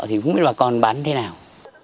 thì không biết bà con bán thế nào